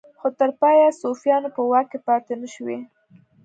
خو تر پایه صفویانو په واک کې پاتې نشوې.